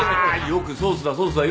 よく「ソースだソースだ」